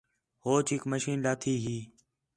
ہوچ ہِک مشین لاتھی ہی